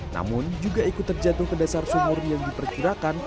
namun juga ikut terjatuh ke dasar sumur yang diperkirakan